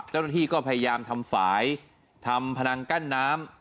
เจ้าหน้าที่ก็พยายามทำฝ่ายทำพนังกั้นน้ำ